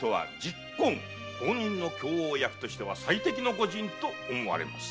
後任の饗応役としては最適の御仁と思われます。